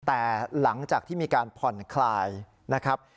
แต่หลังจากที่มีการผ่อนคลายนะครับ